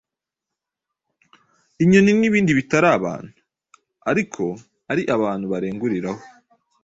inyoni n’ibindi bitari abantu, ariko ari abantu barenguriraho,